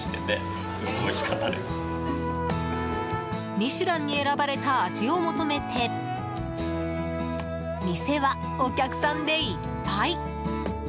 「ミシュラン」に選ばれた味を求めて店は、お客さんでいっぱい。